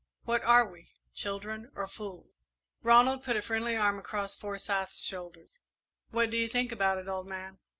What are we children, or fools?" Ronald put a friendly arm across Forsyth's shoulders. "What do you think about it, old man?"